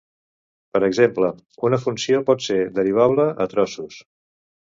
Per exemple, una funció pot ser derivable a trossos.